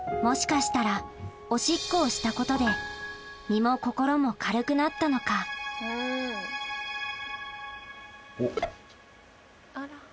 もしかしたらおしっこをしたことで身も心も軽くなったのかおっ。